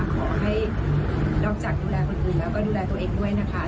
ขอให้นอกจากดูแลคนอื่นแล้วก็ดูแลตัวเองด้วยนะคะ